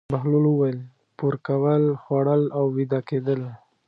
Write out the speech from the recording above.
بهلول وویل: پور کول، خوړل او ویده کېدل.